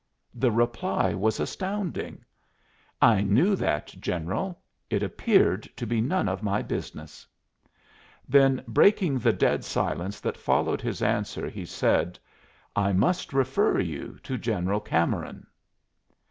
The reply was astounding! "I knew that, general. It appeared to be none of my business." Then, breaking the dead silence that followed his answer, he said: "I must refer you to General Cameron."